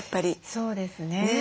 そうですね。